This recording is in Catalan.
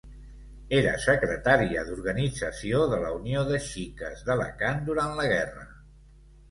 Era secretària d’organització de la Unió de Xiques d’Alacant durant la guerra.